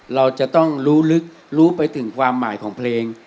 เราจะต้องรู้ลึกรู้ไปถึงความหมายของเพลง